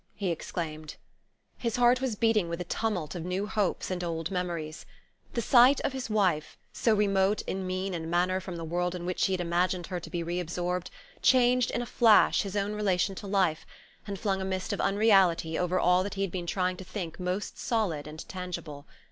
he exclaimed. His heart was beating with a tumult of new hopes and old memories. The sight of his wife, so remote in mien and manner from the world in which he had imagined her to be re absorbed, changed in a flash his own relation to life, and flung a mist of unreality over all that he had been trying to think most solid and tangible.